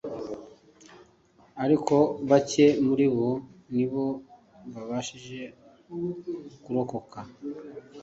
ariko bacye muri bo nibo babashije kurokoka